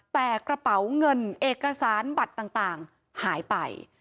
แต่กระเป๋าเงินเอกสารบัตรต่างหายไป